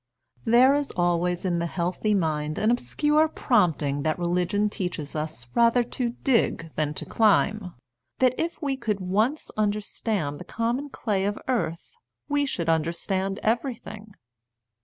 There is always in the healthy mind an obscure prompting that religion teaches us rather to dig than to climb ; that if we could once understand the common clay of earth we should understand everything.